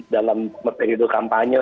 dalam periode kampanye